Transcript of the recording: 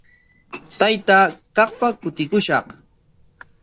Taytaa kaqpa kutikushaq.